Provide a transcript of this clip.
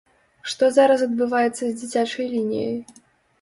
Што зараз адбываецца з дзіцячай лініяй?